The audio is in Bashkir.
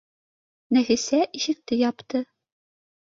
Нәфисә ишекте япты